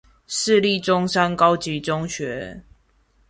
市立中山高級中學